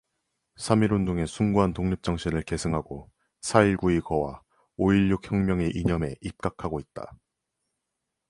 삼일운동의 숭고한 독립정신을 계승하고 사일구의거와 오일륙혁명의 이념에 입각하고 있다.